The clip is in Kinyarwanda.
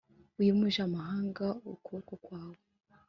wimuje amahanga ukuboko kwawe